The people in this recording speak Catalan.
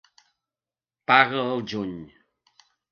Paga al juny.